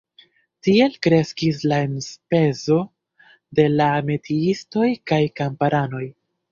Tiel kreskis la enspezo de la metiistoj kaj kamparanoj.